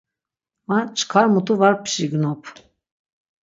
Ma çkar mutu va pşignop.